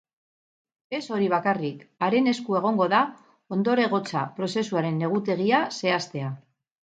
Ez hori bakarrik, haren esku egongo da ondorengotza prozesuaren egutegia zehaztea.